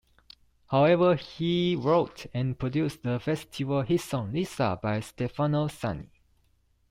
However, he wrote and produced the festival hit song "Lisa" by Stefano Sani.